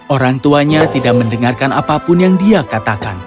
orang tuanya tidak mendengarkan apapun yang dia katakan